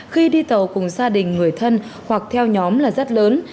khi đi tàu cùng gia đình người thân hoặc theo nhóm là rất lớn